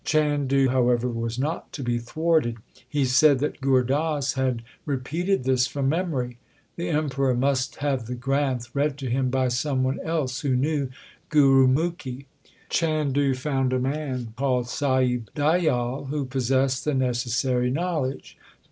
Chandu, however, was not to be thwarted. He said that Gur Das had repeated this from memory. The Emperor must have the Granth read to him by some one else who knew Gurumukhi. Chandu found a man called Sahib Diyal, who possessed the necessary knowledge.